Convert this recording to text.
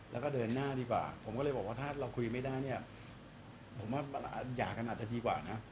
แล้วก็เดินหน้าดีกว่าผมก็เลยบอกว่าถ้าเราคุยไม่ได้เนี่ยผมว่าหย่ากันอาจจะดีกว่านะ